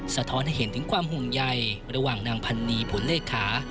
สะท้อนให้เห็นถึงความห่วงใยระหว่างนางพันนีผลเลขา